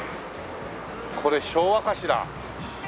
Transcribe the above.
これ昭和かしら？